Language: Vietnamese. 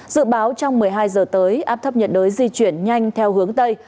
dự báo trong một mươi hai giờ tới áp thấp nhiệt đới di chuyển nhanh theo hướng tây